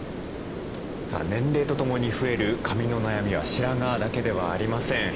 年齢とともに増える髪の悩みは白髪だけではありません。